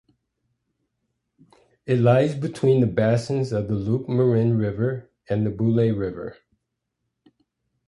It lies between the basins of the Loups Marins River and the Bouleau River.